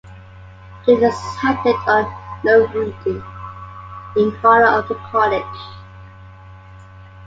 They decided on "Norudde", in honor of the cottage.